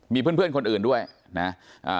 มีเพื่อนคนอื่นด้วยนะ